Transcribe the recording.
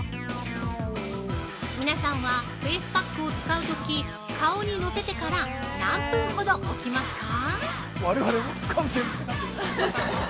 皆さんはフェイスパックを使うとき顔にのせてから何分ほど置きますか？